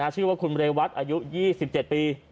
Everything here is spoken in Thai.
ชื่อว่าคุณเรวัตอายุ๒๗ปี